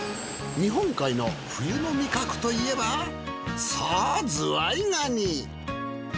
日本海の冬の味覚といえばそうズワイガニ。